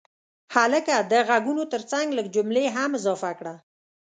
هلکه د غږونو ترڅنګ لږ جملې هم اضافه کړه.